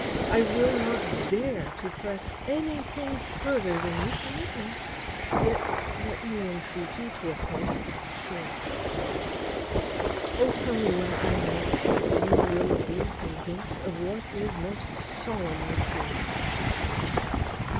I will not dare to press anything further than you permit me. Yet let me intreat you to appoint a short trial. O! tell me when I may expect you will be convinced of what is most solemnly true."